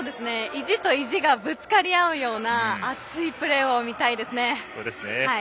意地と意地がぶつかり合うような熱いプレーを見たいですね。